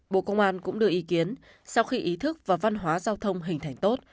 bộ công an cũng đưa ý kiến sau khi ý thức và văn hóa giao thông hình thành tốt